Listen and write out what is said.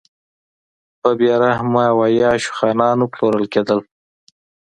په بې رحمه او عیاشو خانانو پلورل کېدل.